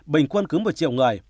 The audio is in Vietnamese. bình quân cứ một triệu người